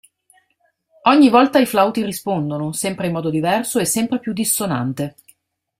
Ogni volta i flauti rispondono, sempre in modo diverso e sempre più dissonante.